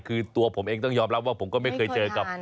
คือตัวผมเองต้องยอมรับว่าผมก็ไม่เคยเจอกับ